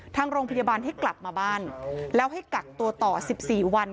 ทางโรงพยาบาลให้กลับมาบ้านแล้วให้กักตัวต่อ๑๔วัน